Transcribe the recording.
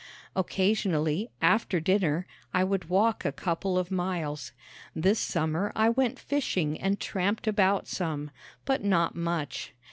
Occasionally, after dinner, I would walk a couple of miles. This summer I went fishing and tramped about some, but not much.